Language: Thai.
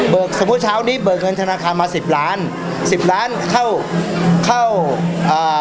สมมุติเช้านี้เบิกเงินธนาคารมาสิบล้านสิบล้านเข้าเข้าอ่า